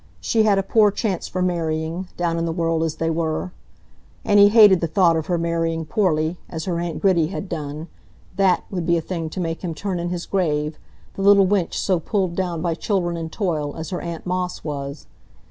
She had a poor chance for marrying, down in the world as they were. And he hated the thought of her marrying poorly, as her aunt Gritty had done; that would be a thing to make him turn in his grave,—the little wench so pulled down by children and toil, as her aunt Moss was.